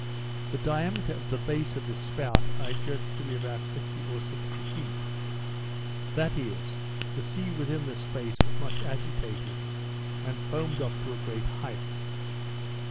The diameter of the base of this spout I judged to be about fifty or sixty feet; that is, the sea within this space was much agitated, and foamed up to a great height.